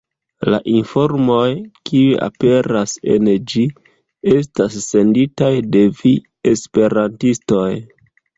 La informoj, kiuj aperas en ĝi, estas senditaj de vi, esperantistoj.